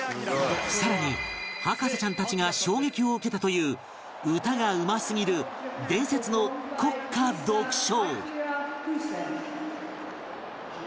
さらに博士ちゃんたちが衝撃を受けたという歌がうますぎる伝説の国歌独唱